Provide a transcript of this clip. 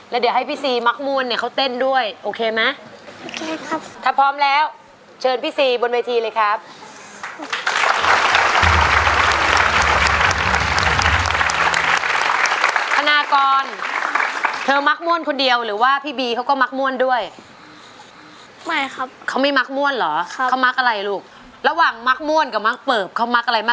แล้วเดี๋ยวให้พี่ซีมั๊กม่วนเขาเต้นด้วยโอเคไหม